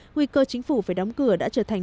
nguy cơ chính phủ phải đóng cửa đã trở thành